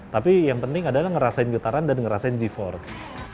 tapi yang penting adalah ngerasain getaran dan ngerasain geforce